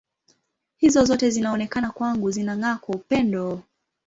Hizo zote zinaonekana kwangu zinang’aa kwa upendo.